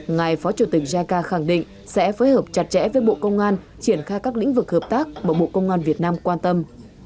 ngài phó chủ tịch jica khẳng định sẽ phối hợp chặt chẽ với bộ công an triển khai các lĩnh vực hợp tác mà bộ công an việt nam quan tâm